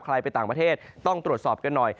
ไปต่างประเทศต้องตรวจสอบกันหน่อย